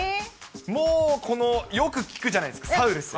もう、この、よく聞くじゃないですか、サウルス。